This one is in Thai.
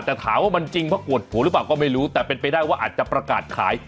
แต่ถามว่ามันจริงเพราะปวดหัวหรือเปล่าก็ไม่รู้แต่เป็นไปได้ว่าอาจจะประกาศขาย